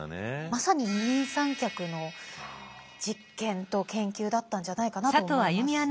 まさに二人三脚の実験と研究だったんじゃないかなと思います。